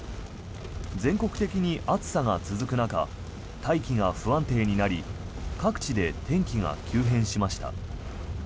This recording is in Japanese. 全国的に暑さが続く中大気が不安定になり各地で天気が急変しました。